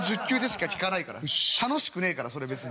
楽しくねえからそれ別に。